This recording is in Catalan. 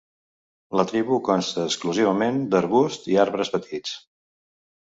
La tribu consta exclusivament d'arbusts i arbres petits.